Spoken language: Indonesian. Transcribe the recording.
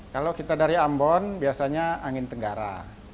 kalau kita dari ambon biasanya angin tenggara